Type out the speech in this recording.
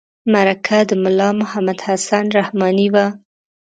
مرکه د ملا محمد حسن رحماني وه.